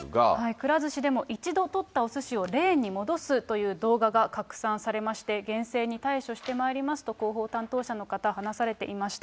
くら寿司でも、一度取ったおすしをレーンに戻すという動画が拡散されまして、厳正に対処してまいりますと広報担当者の方、話されていました。